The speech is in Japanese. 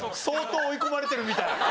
相当追い込まれてるみたい。